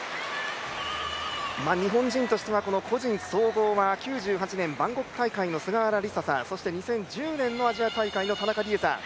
日本人としては個人総合は９８年、バンコク大会の菅原リサさんそして、２０１０年のアジア大会の田中理恵さん。